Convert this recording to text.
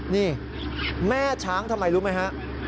นี่แม่ช้างทำไมรู้ไหมฮะ